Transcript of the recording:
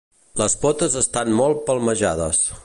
Les potes estan molt palmejades.